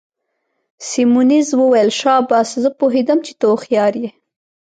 سیمونز وویل: شاباس، زه پوهیدم چي ته هوښیار يې.